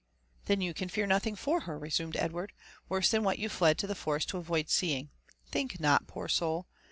'•Then you can fear nothing for her," resumed Edward, '* worse than what you fled to the forest to avoid seeing. Think not, poor soul